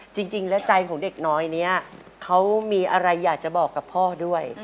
จริงแล้วใจของเด็กน้อยนี้เขามีอะไรอยากจะบอกกับพ่อด้วย